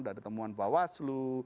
dari temuan pak waslu